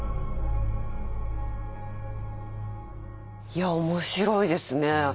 いや面白いですね。